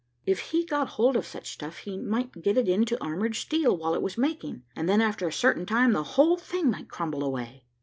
If he got hold of such stuff, he might get it into armored steel, while it was making, and then after a certain time the whole thing might crumble away."